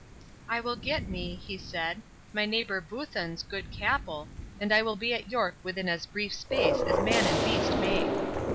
"I will get me," he said, "my neighbour Buthan's good capul, 55 and I will be at York within as brief space as man and beast may."